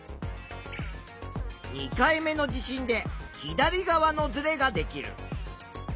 ２回目の地震で左側のずれができる。